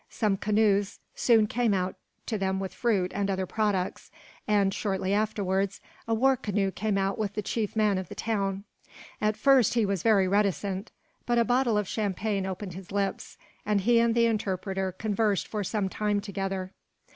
Some canoes soon came off to them with fruit and other products and, shortly afterwards, a war canoe came out with the chief man of the town. At first he was very reticent; but a bottle of champagne opened his lips, and he and the interpreter conversed for some time together.